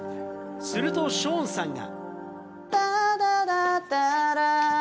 するとショーンさんが。